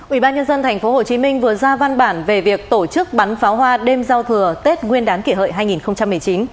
ủy ban nhân dân tp hcm vừa ra văn bản về việc tổ chức bắn pháo hoa đêm giao thừa tết nguyên đán kỷ hợi hai nghìn một mươi chín